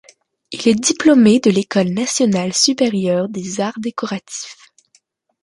Il est diplômé de l’École nationale supérieure des arts décoratifs.